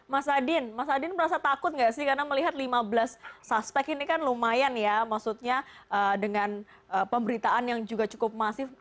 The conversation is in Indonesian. mas adin mas adin merasa takut nggak sih karena melihat lima belas suspek ini kan lumayan ya maksudnya dengan pemberitaan yang juga cukup masif